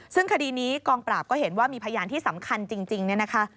ซึ่งคดีนี้กองปราบก็เห็นว่ามีพยานที่สำคัญจริงเนี่ยนะคะ